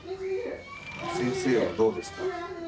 先生はどうですか？